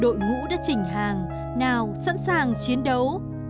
đội ngũ đã chỉnh hàng nào sẵn sàng chiến đấu